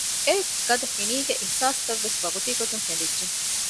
އެއޮތް ގަދަ ފިނީގެ އިހުސާސްތައްވެސް ވަގުތީގޮތުން ކެނޑިއްޖެ